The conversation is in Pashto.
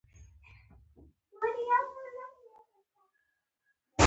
هره چېرې يې چې وموندله، د مؤمن ده.